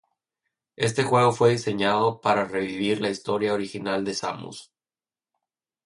Este juego fue diseñado para "revivir la historia original de Samus".